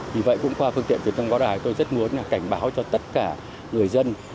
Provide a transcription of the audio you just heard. vì vậy cũng qua phương tiện truyền thông báo đài tôi rất muốn cảnh báo cho tất cả người dân